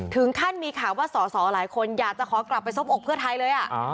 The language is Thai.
ถึงขั้นมีข่าวว่าสอสอหลายคนอยากจะขอกลับไปซบอกเพื่อไทยเลย